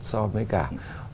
so với cả một một trăm linh lẻ